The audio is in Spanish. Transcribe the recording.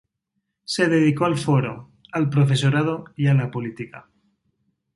Se dedicó al foro, al profesorado y a la política.